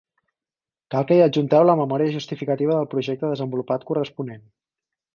Cal que hi adjunteu la memòria justificativa del projecte desenvolupat corresponent.